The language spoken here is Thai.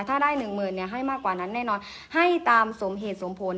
ถ้าได้หนึ่งหมื่นให้มากกว่านั้นแน่นอนให้ตามสมเหตุสมผล